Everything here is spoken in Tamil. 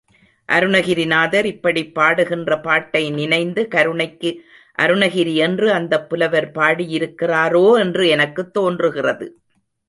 அருணகிரிநாதர் இப்படிப் பாடுகின்ற பாட்டை நினைந்து, கருணைக்கு அருணகிரி என்று அந்தப் புலவர் பாடியிருக்கிறாரோ என்று எனக்குத் தோன்றுகிறது.